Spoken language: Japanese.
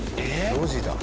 路地だ。